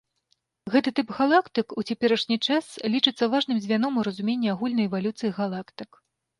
Гэты тып галактык ў цяперашні час лічыцца важным звяном у разуменні агульнай эвалюцыі галактык.